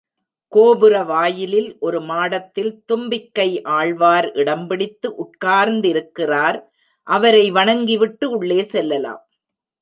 கோபுர வாயிலில் ஒரு மாடத்தில் தும்பிக்கை ஆழ்வார் இடம்பிடித்து உட்கார்ந்திருக்கிறார், அவரை வணங்கிவிட்டு உள்ளே செல்லலாம்.